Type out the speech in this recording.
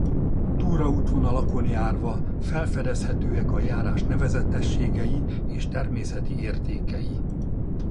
Túraútvonalakon járva felfedezhetőek a járás nevezetességei és természeti értékei.